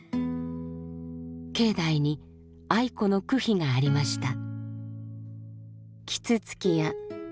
境内に愛子の句碑がありました。